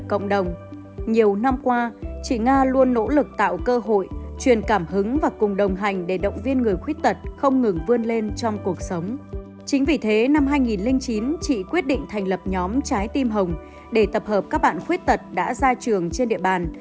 chính vì thế năm hai nghìn chín chị quyết định thành lập nhóm trái tim hồng để tập hợp các bạn khuyết tật đã ra trường trên địa bàn